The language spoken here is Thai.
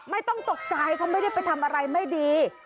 ไม่ต้องตกใจเขาไม่ได้ไปทำอะไรไม่ดี